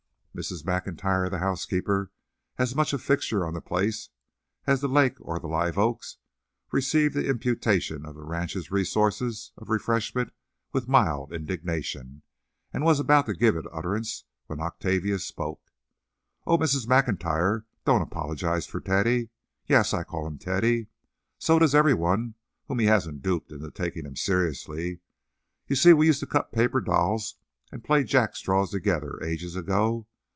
Mrs. MacIntyre, the housekeeper, as much a fixture on the place as the lake or the live oaks, received the imputation of the ranch's resources of refreshment with mild indignation, and was about to give it utterance when Octavia spoke. "Oh, Mrs. MacIntyre, don't apologize for Teddy. Yes, I call him Teddy. So does every one whom he hasn't duped into taking him seriously. You see, we used to cut paper dolls and play jackstraws together ages ago.